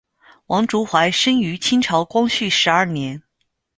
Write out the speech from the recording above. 王竹怀生于清朝光绪十二年。